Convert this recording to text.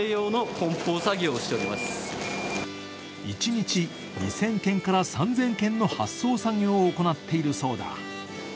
一日２０００件から３０００件の発送作業を行っているそうだ。